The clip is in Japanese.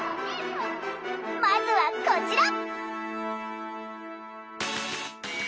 まずはこちら！